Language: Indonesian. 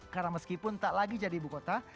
karena meskipun tak lagi jadi ibu kota